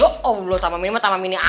oh allah tamamin tamamin